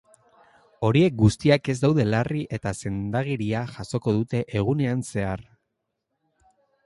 Horiek guztiak ez daude larri eta sendagiria jasoko dute egunean zehar.